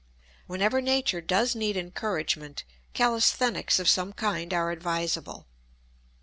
Whenever nature does need encouragement calisthenics of some kind are advisable.